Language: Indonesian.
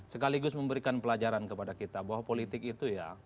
sekaligus memberikan pelajaran kepada kita bahwa politik itu ya